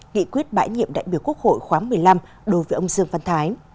nghị quyết bãi nhiệm đại biểu quốc hội khóa một mươi năm đối với ông dương văn thái